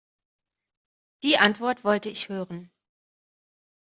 Die Antwort wollte ich hören.